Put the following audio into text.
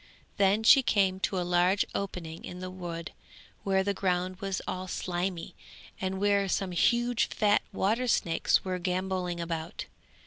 Then she came to a large opening in the wood where the ground was all slimy, and where some huge fat water snakes were gambolling about.